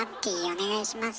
お願いします。